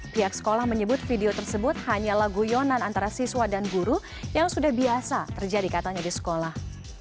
pihak sekolah menyebut video tersebut hanyalah guyonan antara siswa dan guru yang sudah biasa terjadi katanya di sekolah